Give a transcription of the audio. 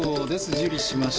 受理しました。